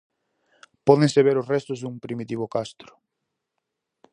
Pódense ver os restos dun primitivo Castro.